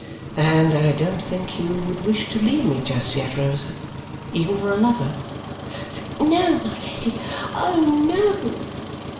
"And I don't think you would wish to leave me just yet, Rosa, even for a lover?" "No, my Lady! Oh, no!"